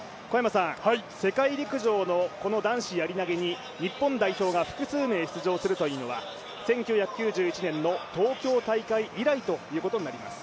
世界陸上の男子やり投に日本男子が複数名出場するというのは１９９１年の東京大会以来ということになります。